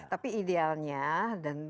tapi idealnya dan